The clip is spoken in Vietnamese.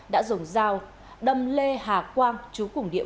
đã dùng dao đâm lê hà quang chú cùng địa